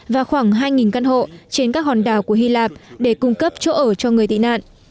và khoảng hai căn hộ trên các hòn đảo của hy lạp để cung cấp chỗ ở cho người tị nạn